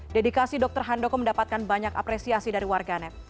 dedikasi dokter handoko mendapatkan banyak apresiasi dari warganet